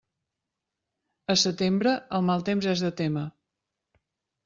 A setembre, el mal temps és de témer.